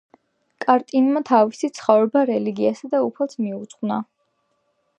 კატრინმა თავისი ცხოვრება რელიგიასა და უფალს მიუძღვნა.